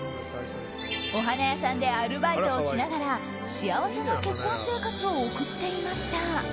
お花屋さんでアルバイトをしながら幸せな結婚生活を送っていました。